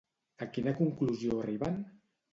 A quina conclusió arriben?